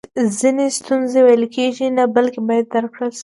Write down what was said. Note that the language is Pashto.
ځینې ستونزی ویل کیږي نه بلکې باید درک کړل سي